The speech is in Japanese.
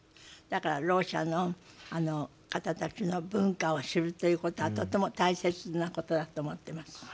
だからろう者の方たちの文化を知るということはとても大切なことだと思ってます。